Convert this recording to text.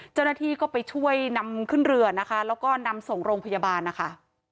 เจ้าหน้าที่ก็ไปช่วยนำขึ้นเรือนะคะแล้วก็นำส่งโรงพยาบาลนะคะ